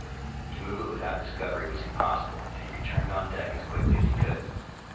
To remove it without discovery was impossible, and he returned on deck as quickly as he could.